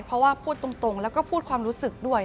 เพราะว่าพูดตรงแล้วก็พูดความรู้สึกด้วย